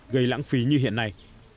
gây lãng phí như hiện nay